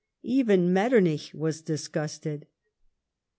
Even Metternich was disgusted.